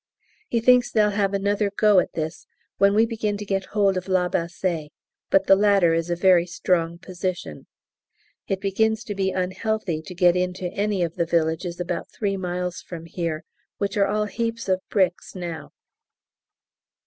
He thinks they'll have another go at this when we begin to get hold of La Bassée, but the latter is a very strong position. It begins to be "unhealthy" to get into any of the villages about three miles from here, which are all heaps of bricks now.